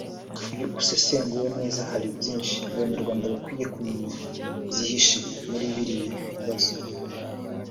Iyo usesenguye neza hari byinshi Abanyarwanda bakwiye kumenya byihishe muri biriya bibazo